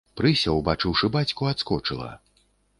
Прыся, убачыўшы бацьку, адскочыла.